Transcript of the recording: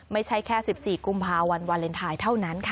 ไม่ใช่แค่๑๔กุมภาวันวาเลนไทยเท่านั้นค่ะ